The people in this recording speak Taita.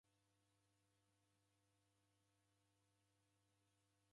Osighirilwa kwa kuw'ika mafungu.